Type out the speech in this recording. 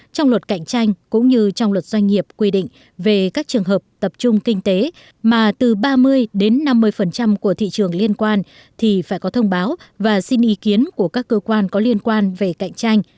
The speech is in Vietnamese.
trong luật cạnh tranh cũng như trong luật doanh nghiệp quy định về các trường hợp tập trung kinh tế mà từ ba mươi đến năm mươi của thị trường liên quan thì phải có thông báo và xin ý kiến của các cơ quan có liên quan về cạnh tranh